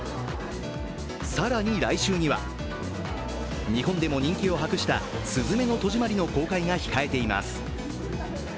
更に来週には、日本でも人気を博した「すずめの戸締まり」の公開が控えています。